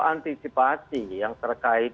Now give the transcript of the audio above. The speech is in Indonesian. antisipasi yang terkait